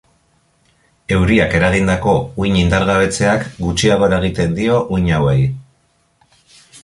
Euriak eragindako uhin-indargabetzeak gutxiago eragiten dio uhin hauei.